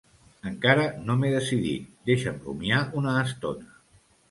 Encara no m'he decidit: deixa'm rumiar una estona.